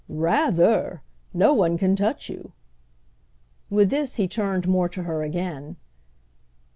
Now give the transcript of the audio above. "Rather! No one can touch you." With this he turned more to her again.